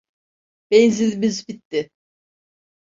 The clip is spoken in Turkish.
Benzinimiz bitti.